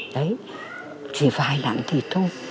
đấy chỉ vài đạn thịt thôi